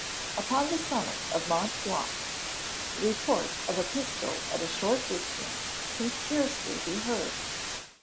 Upon the summit of Mont Blanc, the report of a pistol at a short distance can scarcely be heard.